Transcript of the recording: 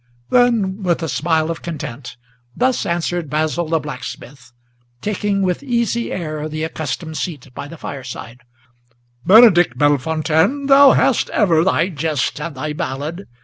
Then, with a smile of content, thus answered Basil the blacksmith, Taking with easy air the accustomed seat by the fireside: "Benedict Bellefontaine, thou hast ever thy jest and thy ballad!